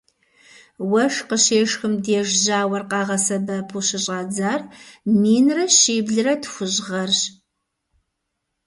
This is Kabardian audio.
Уэшх къыщешхым деж жьауэр къагъэсэбэпу щыщӏадзар минрэ щиблрэ тхущӏ гъэрщ.